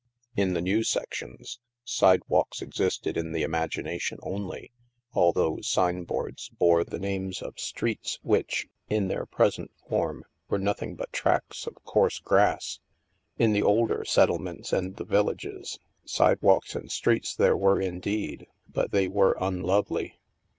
In tlie new sections, sidewalks existed in the im agination only, although sign boards bore the names of " streets " which, in their present form, were nothing but tracts of coarse grass. In the older set tlements and the villages, sidewalks and streets there were indeed, but they were unlovely.